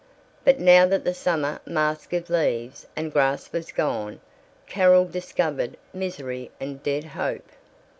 But now that the summer mask of leaves and grass was gone, Carol discovered misery and dead hope.